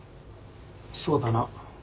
そうだな。